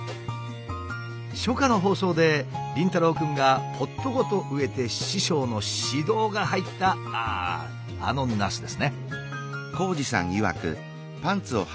初夏の放送で凛太郎くんがポットごと植えて師匠の指導が入ったあああのナスですね。